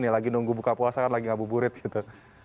karena lagi nunggu buka puasa kan lagi ngabuburit gitu